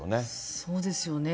そうですよね。